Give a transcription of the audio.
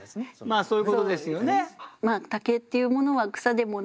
まあそういうことですよね。